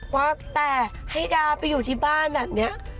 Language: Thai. ว่าแต่ให้ดาไปอยู่ที่บ้านแบบนี้